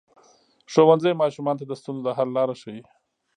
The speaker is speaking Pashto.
ښوونځی ماشومانو ته د ستونزو د حل لاره ښيي.